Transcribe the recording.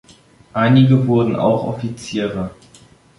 Einige wurden auch Offiziere.